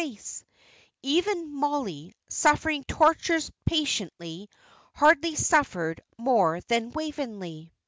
Even Mollie, suffering tortures patiently, hardly suffered more than Waveney.